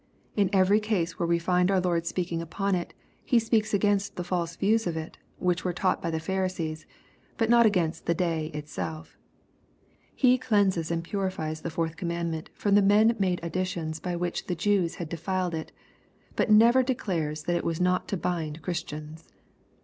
In every case where we find our Lord speaking upon it, He speaks against the false views of it, which were taught by the Pharisees, but not against the day itself He cleanses and purifies the fourth commandment from the men made additions by which the Jews had defiled it, but never declares that it was not to bind Christians.